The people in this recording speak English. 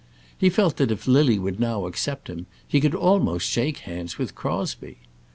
He felt that if Lily would now accept him he could almost shake hands with Crosbie.